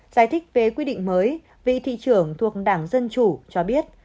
giải thích về quy định mới vị thị trưởng thuộc đảng dân chủ cho biết